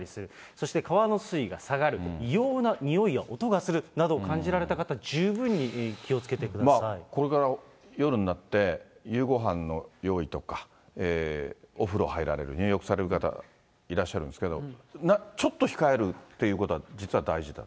そして川の水位が下がると、異様な臭いや音がするなどを感じられた方、十分に気をつけてくだまあ、これから夜になって、夕ごはんの用意とか、お風呂入られる、入浴される方いらっしゃるんですけど、ちょっと控えるっていうことは実は大事だと。